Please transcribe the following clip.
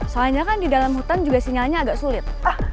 soalnya kan di dalam hutan juga sinyalnya agak sulit